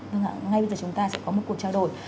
vâng ạ ngay bây giờ chúng ta sẽ có một cuộc trao đổi